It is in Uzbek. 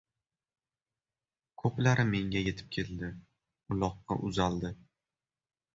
Ko‘plari menga yetib keldi, uloqqa uzaldi.